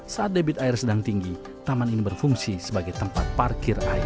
saat debit air sedang tinggi taman ini berfungsi sebagai tempat parkir air